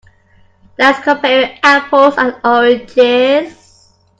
That's comparing apples and oranges.